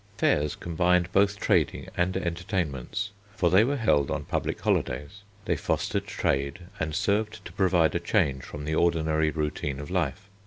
Fairs combined both trading and entertainments, for they were held on public holidays. They fostered trade and served to provide a change from the ordinary routine of life.